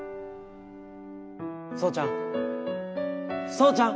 蒼ちゃん。